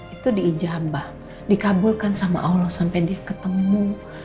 itu diijabah dikabulkan sama allah sampai dia ketemu